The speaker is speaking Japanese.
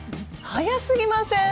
速すぎません？